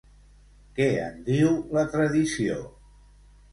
Què en diu la tradició?